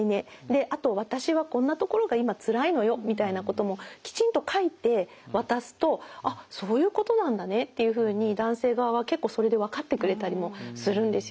あと私はこんなところが今つらいのよみたいなこともきちんと書いて渡すとあっそういうことなんだねっていうふうに男性側は結構それで分かってくれたりもするんですよね。